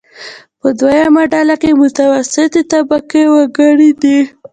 په دویمه ډله کې متوسطې طبقې وګړي دي.